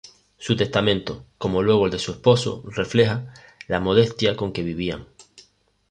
Su testamento, como luego el de su esposo, refleja la modestia con que vivían.